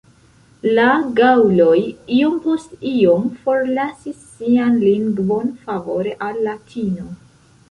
La gaŭloj iom post iom forlasis sian lingvon favore al Latino.